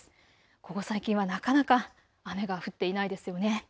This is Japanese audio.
ここ最近はなかなか雨が降っていないですよね。